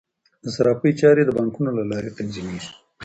د صرافۍ چارې د بانکونو له لارې تنظیمیږي.